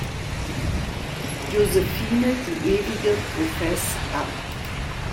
Josefine die ewige Profess ab.